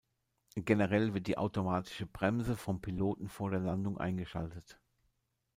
Generell wird die automatische Bremse vom Piloten vor der Landung eingeschaltet.